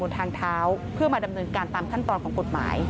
ทางเท้าเพื่อมาดำเนินการตามขั้นตอนของกฎหมาย